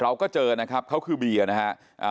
เราก็เจอนะครับเขาคือเบียร์นะฮะ